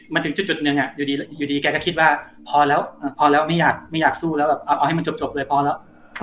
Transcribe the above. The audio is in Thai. มาถึงจุดหนึ่งอยู่ดีแกก็คิดว่าพอแล้วพอแล้วไม่อยากสู้แล้วแบบเอาให้มันจบเลยพอแล้ว